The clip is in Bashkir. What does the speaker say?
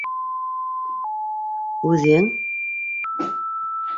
- Үҙең...